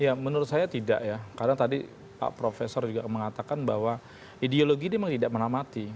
ya menurut saya tidak ya karena tadi pak profesor juga mengatakan bahwa ideologi ini memang tidak menamati